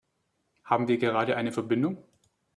Haben wir gerade eine Verbindung?